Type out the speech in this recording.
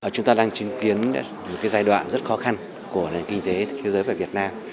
chúng ta đang chứng kiến một giai đoạn rất khó khăn của nền kinh tế thế giới và việt nam